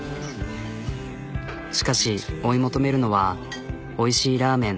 しかし追い求めるのはおいしいラーメンだけではない。